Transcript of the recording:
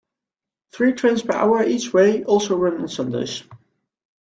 Three trains per hour each way also run on Sundays.